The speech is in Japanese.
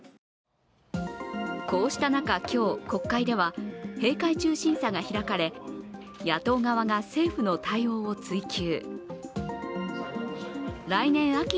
こうした中、今日、国会では閉会中審査が開かれ野党側が政府の対応を追及。